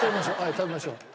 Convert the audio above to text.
食べましょう。